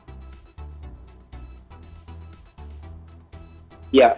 apakah ini bisa diatasi oleh masyarakat